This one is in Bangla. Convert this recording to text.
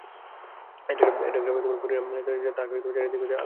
একটা যেন পরম পরিত্রাণ তাহাকে চারি দিক হইতে আলিঙ্গন করিয়া ধরিল।